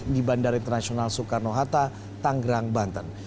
di bandara internasional soekarno hatta tanggerang banten